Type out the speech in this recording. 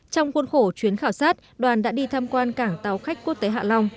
trong khuôn khổ chuyến khảo sát đoàn đã đi tham quan cảng tàu khách quốc tế hạ long